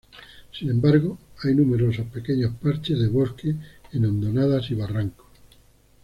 Sin embargo, hay numerosos pequeños parches de bosques en hondonadas y barrancos.